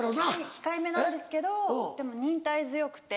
控えめなんですけどでも忍耐強くて。